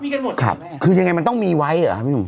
มีกันหมดไหมครับคือยังไงมันต้องมีไว้อ่ะอืม